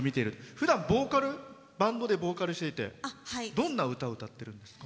ふだんバンドでボーカルをしててどんな歌を歌ってるんですか？